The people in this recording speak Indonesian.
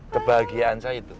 kebahagiaan saya itu